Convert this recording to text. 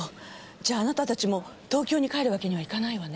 じゃああなたたちも東京に帰るわけにはいかないわね。